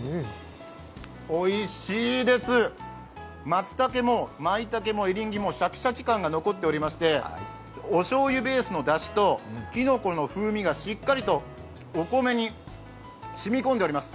まつたけも、まいたけも、エリンギもしゃきしゃき感が残っていまして、おしょうゆベースのだしときのこの風味がしっかりとお米に染み込んでおります。